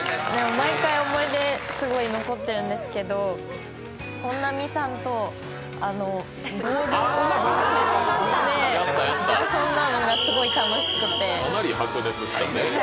毎回思い出、すごい残っているんですけど、本並さんと遊んだのがすごく楽しくて。